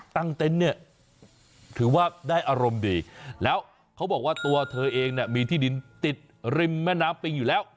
เต็นต์เนี่ยถือว่าได้อารมณ์ดีแล้วเขาบอกว่าตัวเธอเองเนี่ยมีที่ดินติดริมแม่น้ำปิงอยู่แล้ว